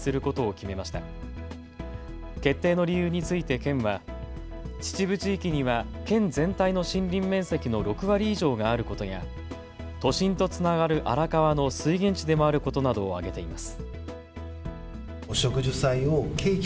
決定の理由について県は秩父地域には県全体の森林面積の６割以上があることや都心とつながる荒川の水源地でもあることなどを挙げています。